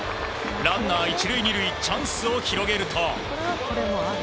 ランナー１塁２塁チャンスを広げると。